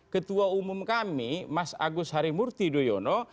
ketua umum kami mas agus harimurti yudhoyono